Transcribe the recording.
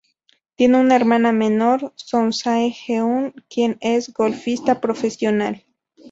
Tiene una hermana menor, Son Sae-eun, quien es golfista profesional.